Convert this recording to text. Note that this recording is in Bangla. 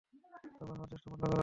বাবা হওয়ার চেষ্টা বন্ধ করো।